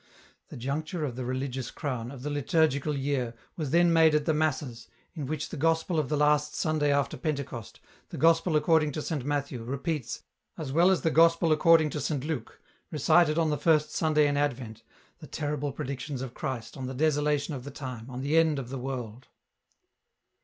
The juncture of the religious crown, of the liturgical year, was then made at the masses, in which the gospel of the last Sunday after Pentecost, the Gospel according to Saint Matthew, repeats, as well as the Gospel according to Saint Luke, recited on the first Sunday in Advent, the terrible predictions of Christ on the desolation of the time, on the end of the world.